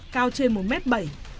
cao trên một mét bẩy